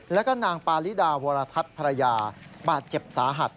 แล้วก็นางปาริดาวรทัศน์ภรรยาบาดเจ็บสาหัส